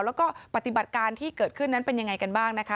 แล้วก็ปฏิบัติการที่เกิดขึ้นนั้นเป็นยังไงกันบ้างนะคะ